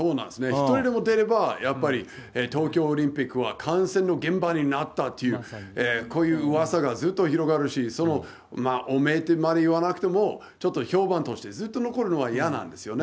１人でも出れば、やっぱり東京オリンピックは感染の現場になったという、こういううわさがずっと広がるし、汚名とまでは言わなくても、ちょっと評判としてずっと残るのは嫌なんですよね。